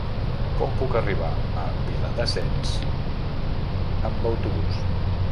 Com puc arribar a Viladasens amb autobús?